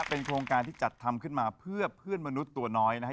เป็นโครงการที่จัดทำขึ้นมาเพื่อเพื่อนมนุษย์ตัวน้อยนะครับ